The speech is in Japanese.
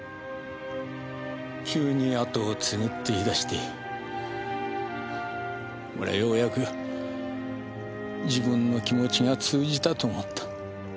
急に跡を継ぐって言い出して俺はようやく自分の気持ちが通じたと思った。